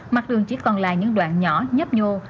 mặt đường chỉ còn là những đoạn nhỏ nhấp nhô